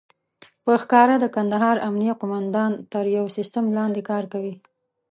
په ښکاره د کندهار امنيه قوماندان تر يو سيستم لاندې کار کوي.